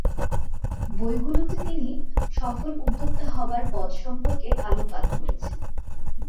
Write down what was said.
বইগুলোতে তিনি সফল উদ্যোক্তা হবার পথ সম্পর্কে আলোকপাত করেছেন।